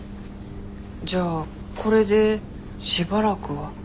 じゃあこれでしばらくは。